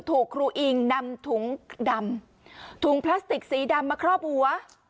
ถูกครูอิงนำถุงดำถุงพลาสติกสีดำมาครอบหัว